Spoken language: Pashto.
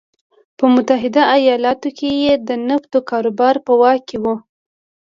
په متحده ایالتونو کې یې د نفتو کاروبار په واک کې و.